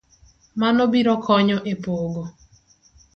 Mano biro konyo e pogo